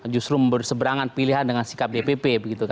justru berseberangan pilihan dengan sikap dpp